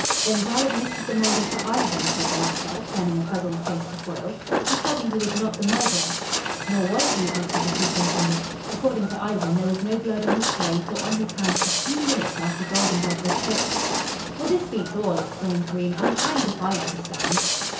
"Then Grell admitted the murder to Ivan?" said the latter, turning a puzzled face to Foyle. "You told me he was not the murderer." "Nor was he," answered the superintendent. "According to Ivan, there was no blood on his clothes or on his hands a few minutes after Goldenburg was killed." "Well, this beats all," exclaimed Green. "I'm hanged if I understand!"